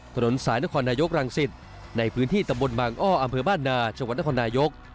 ถนนสายนครนายกรังสิตในพื้นที่ตำบลบางอ้ออำเภอบ้านนาจังหวัดนครนายก